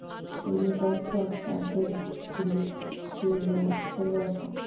তিনি তার সন্তানদের নিয়ে ফিলিস্তিনে চলে আসেন।